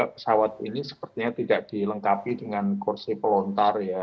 pesawat ini sepertinya tidak dilengkapi dengan kursi pelontar ya